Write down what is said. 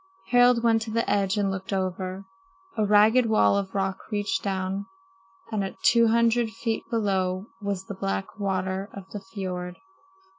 Harald went to the edge and looked over. A ragged wall of rock reached down, and two hundred feet below was the black water of the fiord.